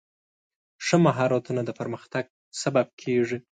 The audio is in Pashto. ښه مهارتونه د پرمختګ سبب کېږي.